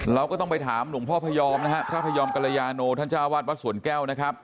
เราก็ต้องไปถามหลวงพ่อพยอมนะฮะพระพยอมกรยาโนท่านเจ้าวาดวัดสวนแก้วนะครับ